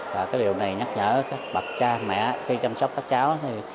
và cái điều này nhắc nhở các bậc cha mẹ khi chăm sóc các cháu